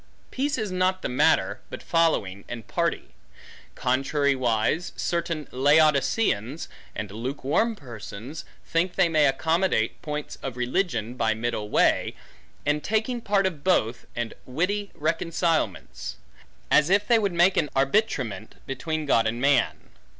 Peace is not the matter, but following, and party. Contrariwise, certain Laodiceans, and lukewarm persons, think they may accommodate points of religion, by middle way, and taking part of both, and witty reconcilements; as if they would make an arbitrament between God and man.